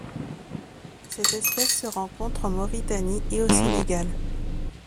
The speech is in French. Cette espèce se rencontre en Mauritanie et au Sénégal.